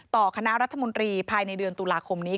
คณะรัฐมนตรีภายในเดือนตุลาคมนี้